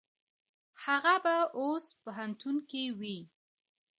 هغه به اوس پوهنتون کې وي.